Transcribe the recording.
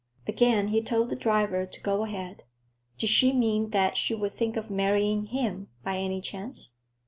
Again he told the driver to go ahead. Did she mean that she would think of marrying him, by any chance?